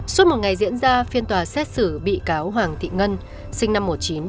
suốt một ngày diễn ra phiên tòa xét xử bị cáo hoàng thị ngân sinh năm một nghìn chín trăm chín mươi